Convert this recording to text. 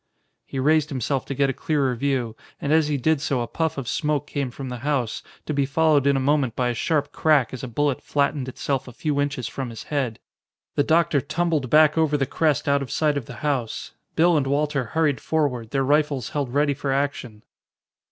He raised himself to get a clearer view, and as he did so a puff of smoke came from the house, to be followed in a moment by a sharp crack as a bullet flattened itself a few inches from his head. The doctor tumbled back over the crest out of sight of the house. Bill and Walter hurried forward, their rifles held ready for action.